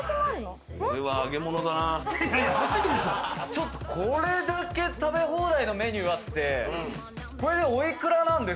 ちょっとこれだけ食べ放題のメニューがあってこれで。